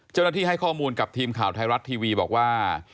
เจ้าหน้าที่ให้ข้อมูลกับทีมข่าวไทยรัตน์ทีวีบอกว่า